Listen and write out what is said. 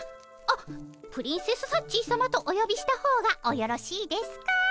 あっプリンセスサッチーさまとおよびした方がおよろしいですか？